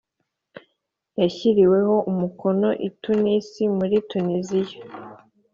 Yashyiriweho umukono i tunis muri tuniziya